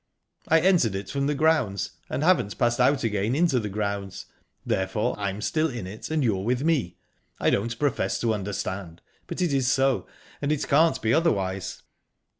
"I entered it from the grounds, and I haven't passed out again into the grounds, therefore I'm still in it and you're with me. I don't profess to understand, but it is so, and it can't be otherwise."